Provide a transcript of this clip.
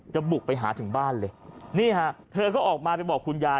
บุกไปหาถึงบ้านเลยนี่ฮะเธอก็ออกมาไปบอกคุณยาย